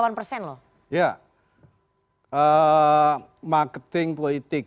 marketing politik yang perlu saya tahu